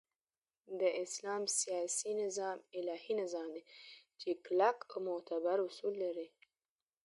د اسلام سیاسی نظام الهی نظام دی چی کلک او معتبر اصول لری